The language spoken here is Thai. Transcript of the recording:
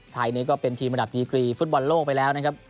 ไทยนี้ก็เป็นทีมระดับดีกรีฟุตบอลโลกไปแล้วนะครับ